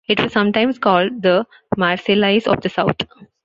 It was sometimes called "the Marseillaise of the South".